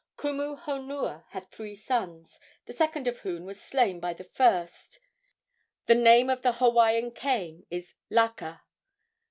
Kumu honua had three sons, the second of whom was slain by the first. The name of the Hawaiian Cain is Laka.